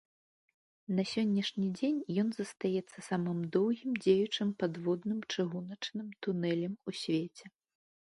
На сённяшні дзень ён застаецца самым доўгім дзеючым падводным чыгуначным тунэлем у свеце.